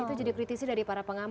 itu jadi kritisi dari para pengamat